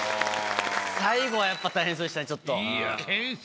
最後はやっぱ大変そうでしたねちょっと。